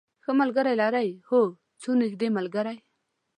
ښه ملګری لرئ؟ هو، څو نږدې ملګری